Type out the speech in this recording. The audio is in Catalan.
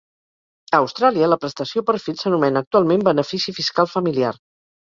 A Austràlia, la prestació per fills s'anomena actualment benefici fiscal familiar.